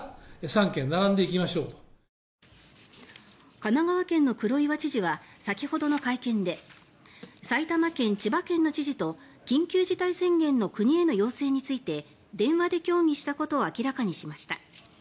神奈川県の黒岩知事は先ほどの会見で埼玉県、千葉県の知事と緊急事態宣言の国への要請について電話で協議したことを明らかにしました。